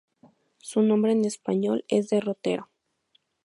Su nombre en español es derrotero.